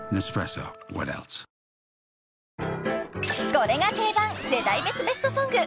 ［これが定番世代別ベストソング］